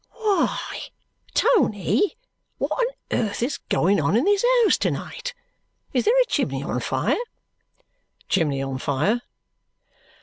"Why, Tony, what on earth is going on in this house to night? Is there a chimney on fire?" "Chimney on fire!"